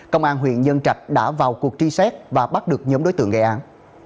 công an huyện nhân trạch đã vào cuộc truy xét và bắt được nhóm đối tượng gây án